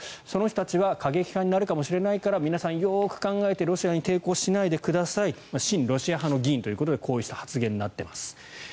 その人たちは過激派になるかもしれないから皆さんよく考えてロシアに抵抗しないでくださいということで親ロシア派の議員ということでこういうことになっています。